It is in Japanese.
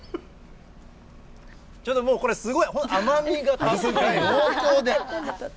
ちょっともう、これ、すごい甘みがたっぷり、濃厚で。